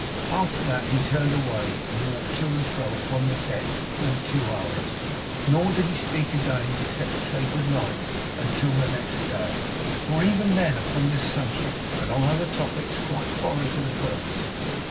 After that, he turned away, and walked to and fro upon the deck full two hours. Nor did he speak again, except to say 'Good night,' until next day; nor even then upon this subject, but on other topics quite foreign to the purpose.